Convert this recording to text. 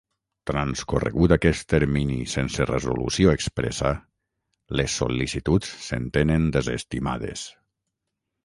Transcorregut aquest termini sense resolució expressa, les sol·licituds s'entenen desestimades.